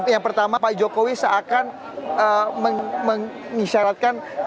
yang pertama pak jokowi seakan mengisyaratkan